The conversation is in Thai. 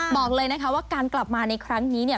บอกเลยนะคะว่าการกลับมาในครั้งนี้เนี่ย